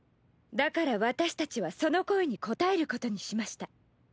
だから私たちはその声に応えることにしました。